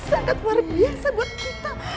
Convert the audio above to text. sangat luar biasa buat kita